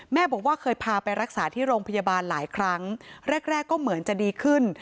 แม่บอกว่าเคยพาไปรักษาที่โรงพยาบาลหลายครั้งแรกก็เหมือนจะดีขึ้น